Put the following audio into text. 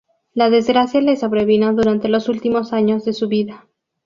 La desgracia le sobrevino durante los últimos años de su vida.